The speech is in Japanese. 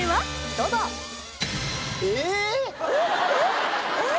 どうぞえっえっ？